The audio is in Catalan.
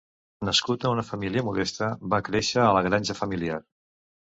Nascut en una família modesta, va créixer a la granja familiar.